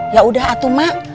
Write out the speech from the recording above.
ya udah atu mak